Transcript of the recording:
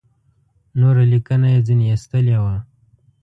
نوره لیکنه یې ځنې ایستلې ده.